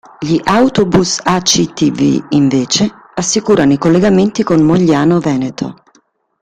Gli Autobus Actv, invece, assicurano i collegamenti con Mogliano Veneto.